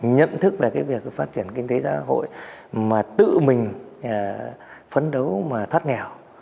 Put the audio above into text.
nhận thức về cái việc phát triển kinh tế xã hội mà tự mình phấn đấu mà thoát nghèo